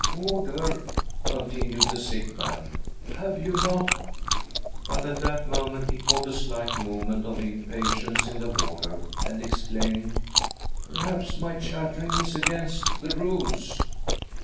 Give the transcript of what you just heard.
" Warder," continued the sick man, " have you not " But at that moment he caught a slight movement of impatience in* the warder, and ex claimed :" Perhaps my chattering is against the . rules